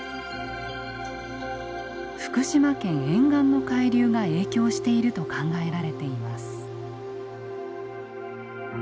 福島県沿岸の海流が影響していると考えられています。